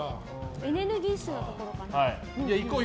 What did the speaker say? エネルギッシュなところかな。